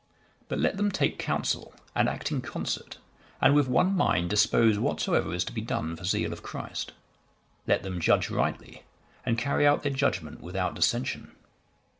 (132) But let them take counsel and act in concert and with one mind dispose whatsoever is to be done for zeal of Christ; let them judge rightly, and carry out their judgement without dissension.